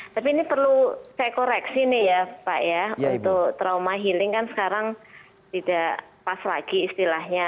tapi ini perlu saya koreksi nih ya pak ya untuk trauma healing kan sekarang tidak pas lagi istilahnya